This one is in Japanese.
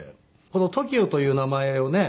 この「ＴＯＫＩＯ」という名前をね